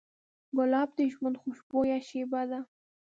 ګلاب د ژوند خوشبویه شیبه ده.